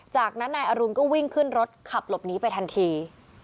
จากนั้นนายอรุณก็วิ่งขึ้นรถขับหลบหนีไปทันที